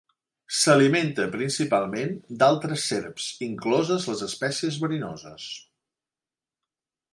S'alimenta principalment d'altres serps, incloses les espècies verinoses.